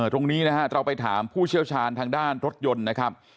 ตรงนี้นะฮะเราไปถามผู้เชี่ยวชาญทางด้านรถยนต์นะครับ